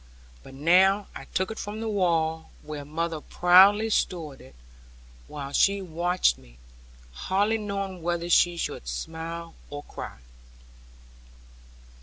But now I took it from the wall, where mother proudly stored it, while she watched me, hardly knowing whether she should smile or cry.